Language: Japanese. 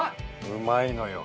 うまいのよ